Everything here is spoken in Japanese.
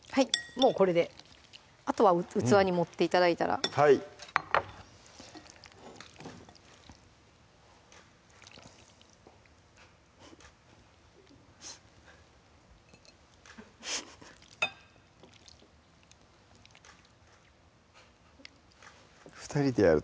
もうこれであとは器に盛って頂いたらはい２人でやる